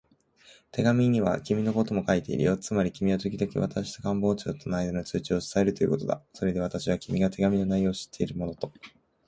手紙には君のことも書いてあるよ。つまり君はときどき私と官房長とのあいだの通知を伝えるということだ。それで私は、君が手紙の内容を知っているものと